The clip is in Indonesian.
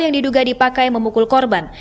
yang diduga dipakai memukul korban